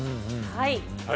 はい。